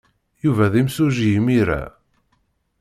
Yuba d imsujji imir-a.